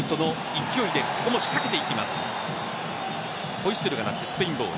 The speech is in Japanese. ホイッスルが鳴ってスペインボール。